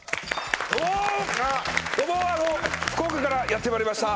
どうもどうもあの福岡からやってまいりました